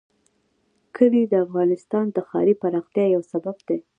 کلي د افغانستان د ښاري پراختیا یو سبب دی.